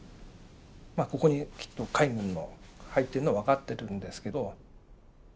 ここにきっと海軍の入ってるのは分かってるんですけど。